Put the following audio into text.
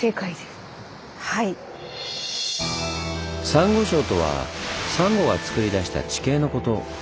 サンゴ礁とはサンゴがつくり出した地形のこと。